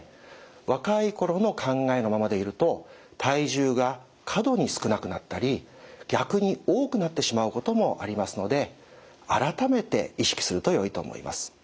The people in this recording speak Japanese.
若い頃の考えのままでいると体重が過度に少なくなったり逆に多くなってしまうこともありますので改めて意識するとよいと思います。